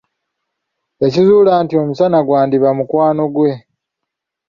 Yakizuula nti omusana gwandiba mukwano gwe.